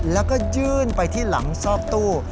แล้วก็ยื่นไปที่หลังซอกตู้